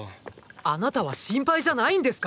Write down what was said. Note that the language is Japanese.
あなたは心配じゃないんですか？